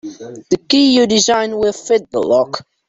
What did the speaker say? The key you designed will fit the lock.